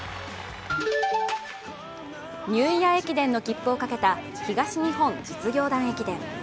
ニューイヤー駅伝の切符をかけた東日本実業団駅伝。